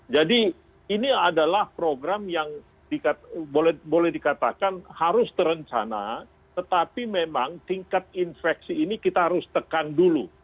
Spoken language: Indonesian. jadi ini adalah program yang boleh dikatakan harus terencana tetapi memang tingkat infeksi ini kita harus tekan dulu